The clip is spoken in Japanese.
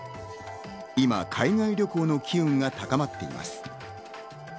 今、海外旅行の機運が高まっています。